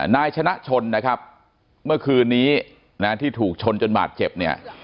นายชนะชนนะครับเมื่อคืนนี้นะที่ถูกชนจนบาดเจ็บเนี่ย